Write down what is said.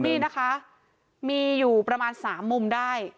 นี่นะคะมีอยู่ประมาณ๓มุมได้